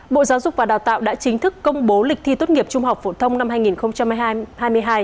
bộ giáo dục và đào tạo đã chính thức công bố lịch thi tốt nghiệp trung học phổ thông năm hai nghìn hai mươi hai